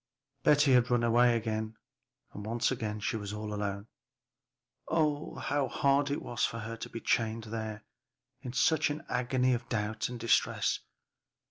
Betty had run away again, and she was all alone. Oh, how hard it was for her to be chained there in such an agony of doubt and distress!